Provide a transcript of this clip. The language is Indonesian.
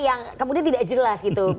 yang kemudian tidak jelas gitu